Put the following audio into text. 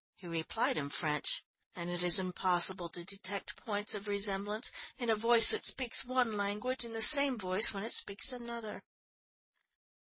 He replied in French, and it is impossible to detect points of resemblance in a voice that speaks one language and the same voice when it speaks another.